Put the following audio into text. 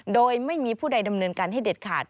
โดยไม่มีผู้ใดดำเนินการให้เด็ดขาด